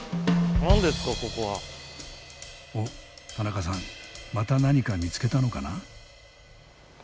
おっ田中さんまた何か見つけたのかな？